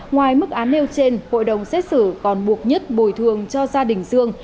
ngoài mức án nêu trên hội đồng xét xử còn buộc nhất bồi thường cho gia đình dương